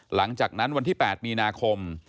หลังจากที่วันที่๘มีนาคม